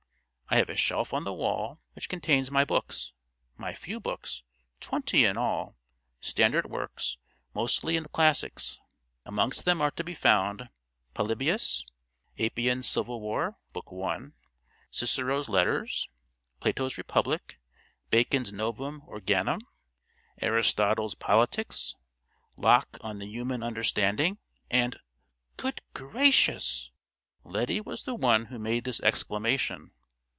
I have a shelf on the wall which contains my books—my few books, twenty in all—standard works, mostly in the classics. Amongst them are to be found Polybius, Appian's Civil War (Book 1.), Cicero's Letters, Plato's Republic, Bacon's Novum Organum, Aristotle's Politics, Locke On the Human Understanding, and——" "Good gracious!" Lettie was the one who made this exclamation.